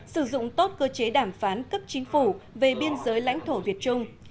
sử dụng tốt cơ chế đàm phán cấp chính phủ về biên giới lãnh thổ việt trung